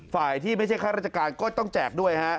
ฝ่ายที่ไม่ใช่ค่ารัฐการณ์ก็ต้องแจกด้วย